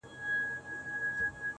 پربت باندي يې سر واچوه.